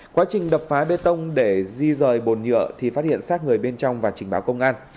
quá trình đập phá bê tông để di rời bồn nhựa thì phát hiện sát người bên trong và trình báo công an